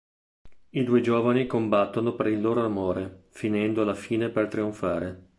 I due giovani combattono per il loro amore, finendo alla fine per trionfare.